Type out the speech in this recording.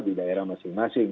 di daerah masing masing